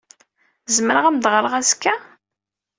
Zemreɣ ad am-d-ɣreɣ azekka?